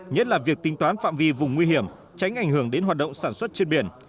nhất là việc tính toán phạm vi vùng nguy hiểm tránh ảnh hưởng đến hoạt động sản xuất trên biển